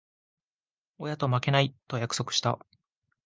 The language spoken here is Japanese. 親と負けない、と約束した。